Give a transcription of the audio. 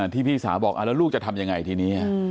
พี่สาวบอกแล้วลูกจะทำยังไงทีนี้